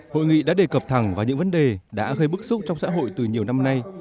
hội nghị đã đề cập thẳng vào những vấn đề đã gây bức xúc trong xã hội từ nhiều năm nay